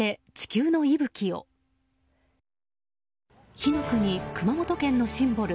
火の国・熊本県のシンボル